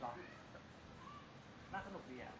กลับมาที่นี่